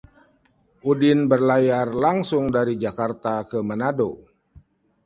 Udin berlayar langsung dari Jakarta ke Manado